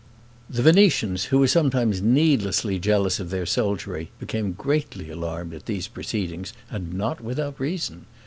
The Venetians, who were sometimes needlessly jealous of their soldiery, became greatly alarmed at these proceedings; and not without reason.